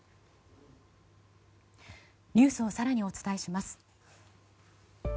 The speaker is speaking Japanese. ニュースを更にお伝えします。